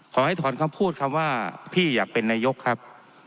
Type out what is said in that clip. ขอให้ถอนคำพูดคำว่าพี่อยากเป็นนายกครับ